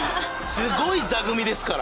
すごい座組ですから。